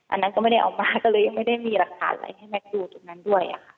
อันนั้นก็ไม่ได้ออกมาก็เลยยังไม่ได้มีรักษาอะไรให้แม็กซ์ดูจุดนั้นด้วย